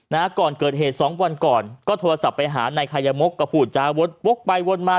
นะฮะก่อนเกิดเหตุสองวันก่อนก็โทรศัพท์ไปหานายคายมกก็พูดจาวดวกไปวนมา